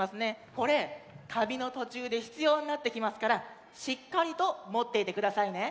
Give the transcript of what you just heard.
これたびのとちゅうでひつようになってきますからしっかりともっていてくださいね。